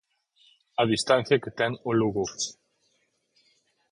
A distancia que ten o Lugo.